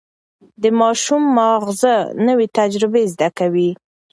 د ماشوم ماغزه نوي تجربې زده کوي.